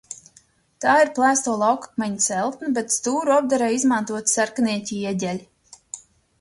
Tā ir plēsto laukakmeņu celtne, bet stūru apdarei izmantoti sarkanie ķieģeļi.